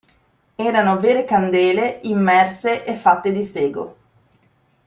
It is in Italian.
Erano vere candele immerse e fatte di sego.